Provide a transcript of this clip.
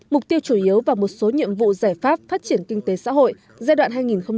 mục tiêu chủ yếu và một số nhiệm vụ giải pháp phát triển kinh tế xã hội giai đoạn hai nghìn hai mươi một hai nghìn hai mươi năm